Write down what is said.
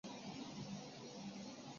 秦彦和毕师铎也加入了秦宗衡军。